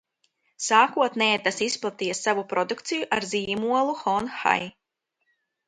Sākotnēji tas izplatīja savu produkciju ar zīmolu Hon Hai.